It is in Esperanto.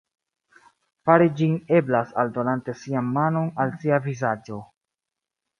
Fari ĝin eblas aldonante sian manon al sia vizaĝo.